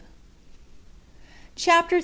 CHAPTER 3.